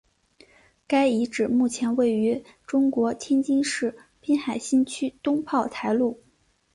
该遗址目前位于中国天津市滨海新区东炮台路。